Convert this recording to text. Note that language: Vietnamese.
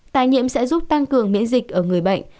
tài nhiễm sẽ giúp tăng cường miễn dịch ở người bệnh